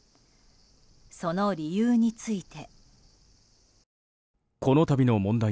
その理由について。